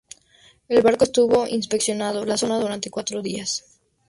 El barco estuvo inspeccionando la zona durante cuatro días.